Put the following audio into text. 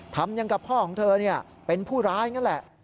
ทำอย่างกับพ่อของเธอเป็นผู้ร้ายนั่นแหละ